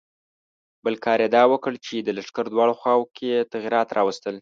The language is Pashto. بل کار یې دا وکړ چې د لښکر دواړو خواوو کې یې تغیرات راوستل.